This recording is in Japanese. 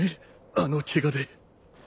あのケガで。